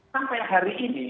sampai hari ini